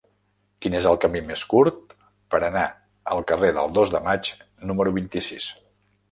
Quin és el camí més curt per anar al carrer del Dos de Maig número vint-i-sis?